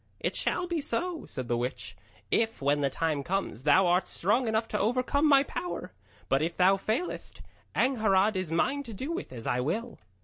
'It shall be so,' said the witch, 'if, when the time comes, thou art strong enough to overcome my power. But if thou failest, Angharad is mine to do with as I will.'